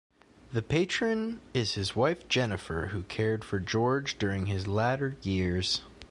The Patron is his wife Jennifer, who cared for George during his latter years.